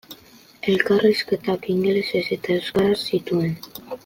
Elkarrizketak ingelesez eta euskaraz zituen.